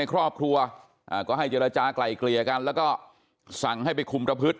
ครอบครัวก็ให้เจรจากลายเกลี่ยกันแล้วก็สั่งให้ไปคุมประพฤติ